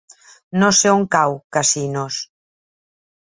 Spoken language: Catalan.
No sé on cau Casinos.